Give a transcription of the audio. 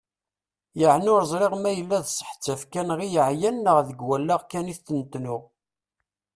Yeɛni ur ẓriɣ ma yella d sseḥ d tafekka-nneɣ i yeɛyan neɣ deg wallaɣ kan itent-nuɣ.